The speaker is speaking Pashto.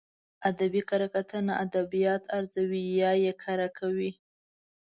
ادبي کره کتنه ادبيات ارزوي يا يې کره کوي.